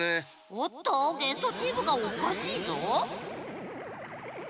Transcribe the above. おっとゲストチームがおかしいぞ。